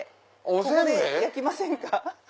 ここで焼きませんか？